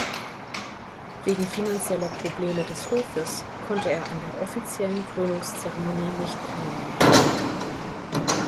Wegen finanzieller Probleme des Hofes konnte er an der offiziellen Krönungszeremonie nicht teilnehmen.